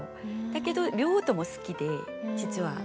だけど両方とも好きで実は。